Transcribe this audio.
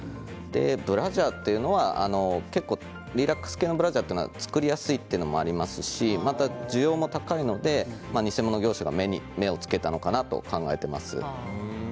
ブラジャーというのは結構リラックス系のブラジャーは作りやすいというのもありますし需要も高いので偽物業者が目を付けたのかなと考えています。